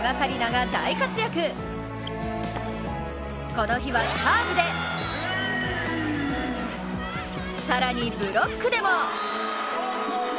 この日はサーブで、更にブロックでも。